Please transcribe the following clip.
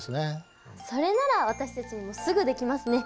それなら私たちにもすぐできますね。